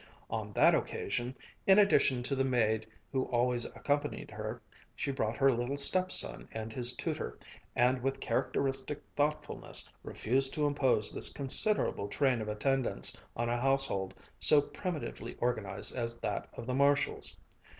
On that occasion, in addition to the maid who always accompanied her, she brought her little stepson and his tutor, and with characteristic thoughtfulness refused to impose this considerable train of attendants on a household so primitively organized as that of the Marshalls.